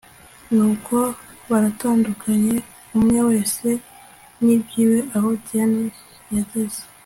Nuko baratandukanye umwewese nivyiwe…Aho Diane yageze